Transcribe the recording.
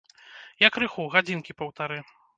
Я крыху, гадзінкі паўтары.